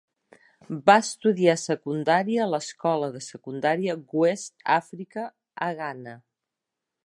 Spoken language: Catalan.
Va estudiar secundària a l'escola de secundària West Africa a Ghana.